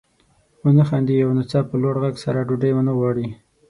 ونه خاندي او یا ناڅاپه لوړ غږ سره ډوډۍ وانه غواړي.